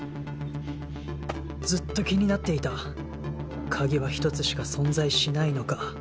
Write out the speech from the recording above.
ずっと気になっていた鍵は１つしか存在しないのか